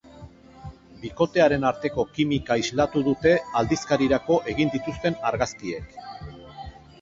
Bikotearen arteko kimika islatu dute aldizkarirako egin dituzten argazkiek.